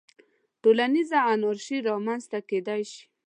ټولنیزه انارشي رامنځته کېدای شي.